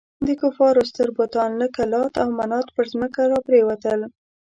د کفارو ستر بتان لکه لات او منات پر ځمکه را پرېوتل.